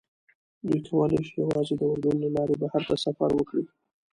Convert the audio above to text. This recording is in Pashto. دوی کولی شي یوازې د اردن له لارې بهر ته سفر وکړي.